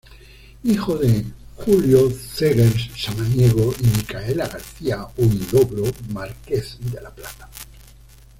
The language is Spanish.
Hijo de Julio Zegers Samaniego y Micaela García Huidobro Márquez de la Plata.